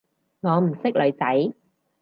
我唔識女仔